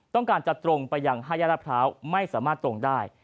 ต้องการจะตรงไปยังห้ายแห้กลับเท้านิยวไม่สามารถตรงได้